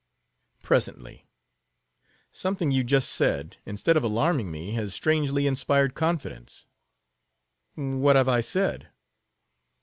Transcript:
"Presently. Something you just said, instead of alarming me, has strangely inspired confidence." "What have I said?"